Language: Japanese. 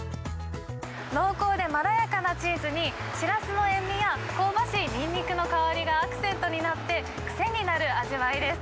濃厚でまろやかなチーズに、シラスの塩味や、香ばしいニンニクの香りがアクセントになって、癖になる味わいです。